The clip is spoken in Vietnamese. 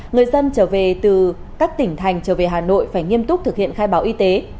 người dân trở về từ các tỉnh thành trở về hà nội phải nghiêm túc thực hiện khai báo y tế